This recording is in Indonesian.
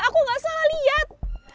aku gak salah lihat